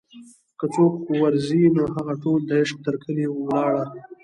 که څوک ور ځي نوهغه ټول دعشق تر کلي ولاړه